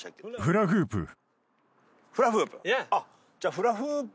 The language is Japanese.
フラフープ。